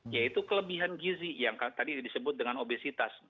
yaitu kelebihan gizi yang tadi disebut dengan obesitas